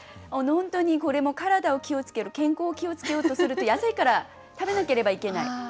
本当にこれも体を気をつける健康を気をつけようとすると野菜から食べなければいけない。